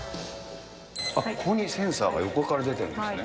あっ、ここにセンサが横から出てるんですね。